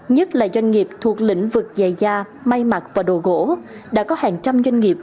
nhất là doanh nghiệp thuộc lĩnh vực dày da may mặc và đồ gỗ đã có hàng trăm doanh nghiệp